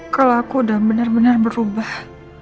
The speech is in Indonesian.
kalau aku udah benar benar berubah